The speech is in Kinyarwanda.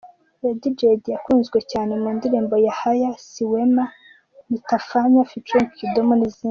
Lady Jaydee yakunzwe cyane mu ndirimbo ‘Yahaya’, “Siwema”, “Nitafanya ft Kidum” n’izindi.